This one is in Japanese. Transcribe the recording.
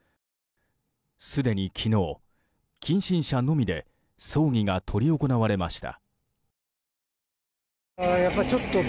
すでに昨日、近親者のみで葬儀が執り行われました。